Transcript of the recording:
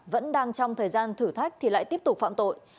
vẫn đang trong thời gian thử thách thì lại tiếp tục phạm tội